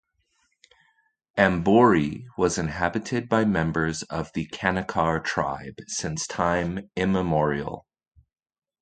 Amboori was inhabited by members of the Kanikar tribe since time immemorial.